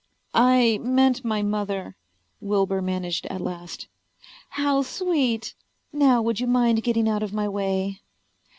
"I meant my mother," Wilbur managed at last. "How sweet. Now would you mind getting out of my way?"